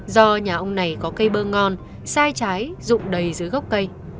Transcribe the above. do nhà ông này có cây bơ ngon sai trái rụng đầy dưới gốc cây